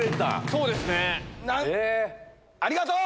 そうですね。